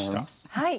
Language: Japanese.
はい。